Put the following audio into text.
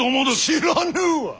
知らぬわ！